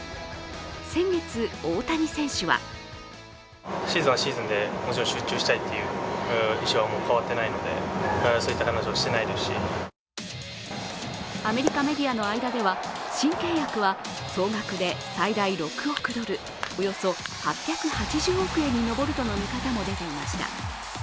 先月、大谷選手はアメリカメディアの間では新契約は総額で最大６億ドルおよそ８８０億円に上るとの見方も出ていました。